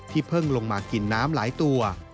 เพิ่งลงมากินน้ำหลายตัว